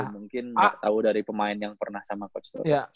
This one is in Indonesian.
mungkin gak tau dari pemain yang pernah sama coach